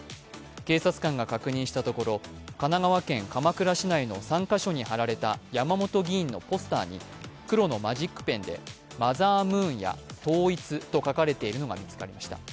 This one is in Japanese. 警察官が確認したところ、神奈川県鎌倉市内の３か所に貼られた山本議員のポスターに黒のマジックペンで「マザームーン」や「統一」と書かれているのが見つかりました。